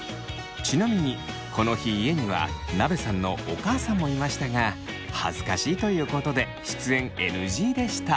ちなみにこの日家にはなべさんのお母さんもいましたが恥ずかしいということで出演ＮＧでした。